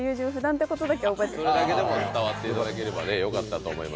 それだけでも伝わっていただけたらよかったと思います。